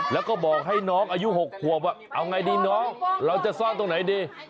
แล้วก็บอกให้น้องอายุ๖ขวบว่าเอาไงดีน้องเราจะซ่อนตรงไหนดี